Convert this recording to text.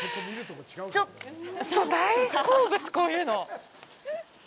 ちょっと大好物、こういうの。